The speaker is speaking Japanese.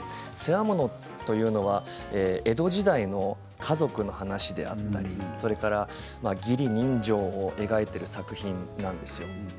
世話物というのは江戸時代の家族の話であったり義理人情を描いている作品なんですよ。